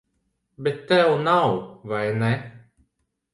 Bet tev nav, vai ne?